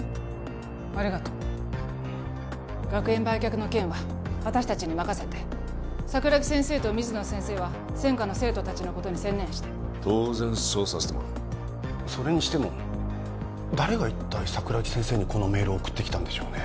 ありがとう学園売却の件は私達に任せて桜木先生と水野先生は専科の生徒達のことに専念して当然そうさせてもらうそれにしても誰が一体桜木先生にこのメールを送ってきたんでしょうね？